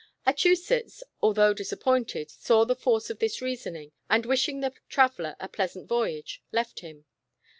Achusetts, although disappointed, saw the force of this reasoning, and wishing the traveller a pleas ant voyage, left him.